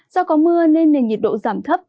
do có mưa nên nền nhiệt độ giảm thấp